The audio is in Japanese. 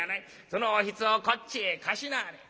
そのおひつをこっちへ貸しなはれ」。